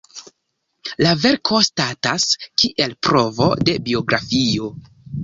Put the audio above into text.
La verko statas kiel provo de biografio.